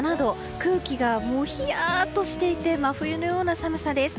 空気がヒヤッとしていて真冬のような寒さです。